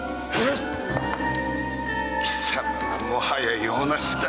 貴様はもはや用なしだ！